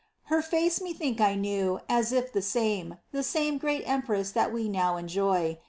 Her face methought I knew, as if the same. The same great empress that we now enjoy.